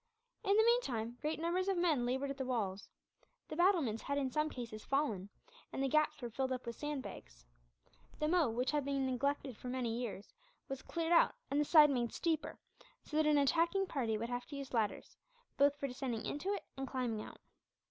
In the meantime, great numbers of men laboured at the walls. The battlements had in some cases fallen, and the gaps were filled up with sandbags. The moat, which had been neglected for many years, was cleared out; and the side made steeper, so that an attacking party would have to use ladders, both for descending into it and climbing out.